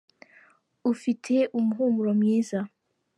ufite umuhumuro mwiza.